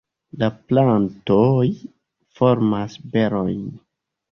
La plantoj formas berojn.